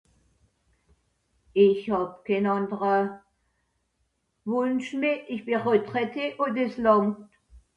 ken wunsch